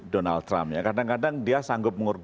donald trump ya kadang kadang dia sanggup